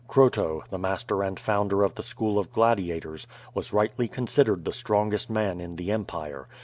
Croto, the master and founder of the school of gladiators, was rightly considered the strongest man in the empire.